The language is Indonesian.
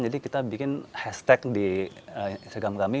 jadi kita bikin hashtag di instagram kami